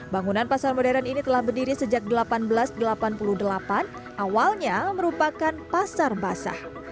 bangunan pasar modern ini telah berdiri sejak seribu delapan ratus delapan puluh delapan awalnya merupakan pasar basah